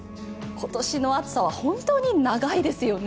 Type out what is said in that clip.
今年の暑さは本当に長いですよね。